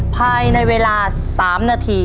ภายในเวลา๓นาที